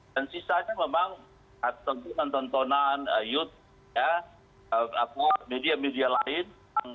dan sisanya memang tentu nontonan youth media media lain